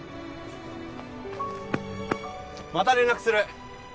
また連絡する！